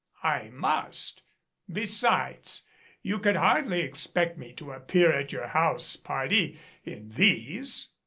"I must besides, you could hardly expect me to appear at your house party in these."